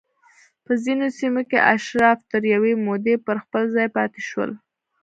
په ځینو سیمو کې اشراف تر یوې مودې پر خپل ځای پاتې شول